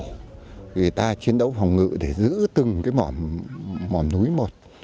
người ta chiến đấu phòng ngự để giữ từng cái mỏm núi một